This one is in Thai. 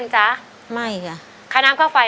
ขอบคุณครับ